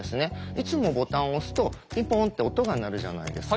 いつもボタンを押すとピンポンって音が鳴るじゃないですか。